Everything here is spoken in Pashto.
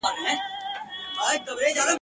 پر مزار به مي څراغ د میني بل وي `